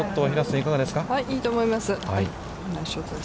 いいと思います。